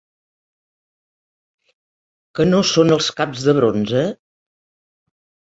Què no són els caps de bronze?